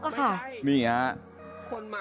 ไม่ใช่คนมานั่งคุยนั่งประชุมกัน